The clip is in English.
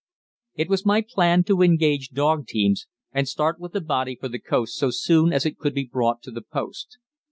It was my plan to engage dog teams and start with the body for the coast so soon as it could be brought to the post.